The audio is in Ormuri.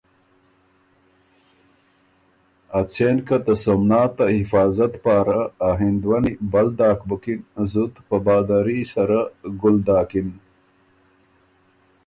ا څېن که ته سومنات ته حفاظت پاره ا هندوَنی بل داک بُکِن زُت په بهادري سره ګُل داکِن